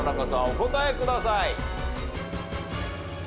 お答えください。